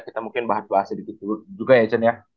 kita mungkin bahas bahas sedikit juga ya cen ya